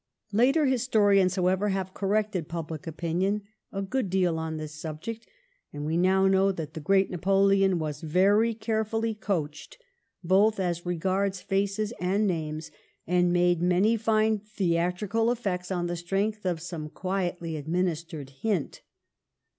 Later historians, how "THE GRAND OLD MAN" 431 ever, have corrected public opinion a good deal on this subject, and we now know that the great Napoleon was very carefully " coached " both as regards faces and names, and made many fine theat rical effects on the strength of some quietly admin istered hint.